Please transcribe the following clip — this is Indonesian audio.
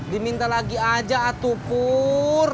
diminta lagi aja atuk pur